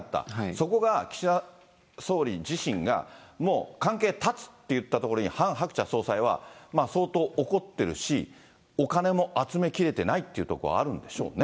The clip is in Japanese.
そこが岸田総理自身がもう関係断つって言ったところに、ハン・ハクチャ総裁は、相当怒っているし、お金も集めきれてないっていうところはあるんでしょうね。